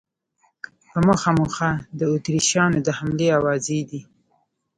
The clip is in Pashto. په مخه مو ښه، د اتریشیانو د حملې آوازې دي.